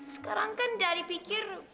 sekarang kan dari pikir